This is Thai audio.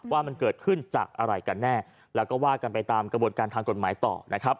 ว่ามันเกิดขึ้นจากอะไรกันแน่แล้วก็ว่ากันไปตามกระบวนการทางกฎหมายต่อนะครับ